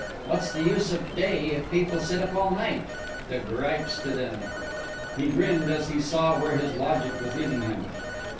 What's the use of day, if people sit up all night? The gripes to them!" He grinned as he saw where his logic was leading him.